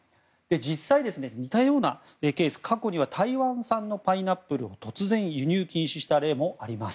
実際、似たようなケース過去には台湾産のパイナップルを突然、輸入禁止にした例もあります。